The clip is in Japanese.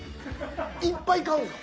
いっぱい買うんですか？